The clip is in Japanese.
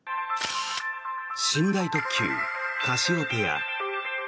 寝台特急カシオペア。